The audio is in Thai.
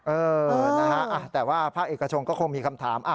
เออนะฮะแต่ว่าภาคเอกชนก็คงมีคำถาม